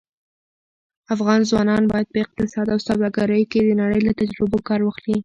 افغان ځوانان باید په اقتصاد او سوداګرۍ کې د نړۍ له تجربو کار واخلي.